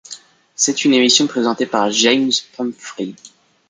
C’est une émission présentée par James Pumphrey.